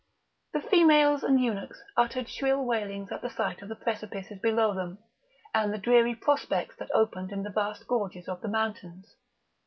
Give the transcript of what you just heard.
The females and eunuchs uttered shrill wailings at the sight of the precipices below them, and the dreary prospects that opened in the vast gorges of the mountains.